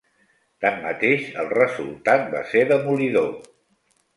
Tanmateix, el resultat va ser demolidor.